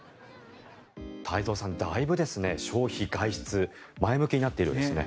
太蔵さんだいぶ消費、外出前向きになっているようですね。